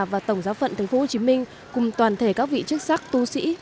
và tổng giáo phận thành phố hồ chí minh cùng toàn thể các vị chức sắc tu sĩ